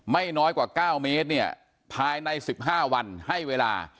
ไม่น้อยกว่า๙เมตรเนี่ยภายใน๑๕วันให้เวลา